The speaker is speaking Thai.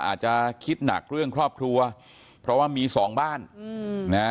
อาจจะคิดหนักเรื่องครอบครัวเพราะว่ามีสองบ้านอืมนะฮะ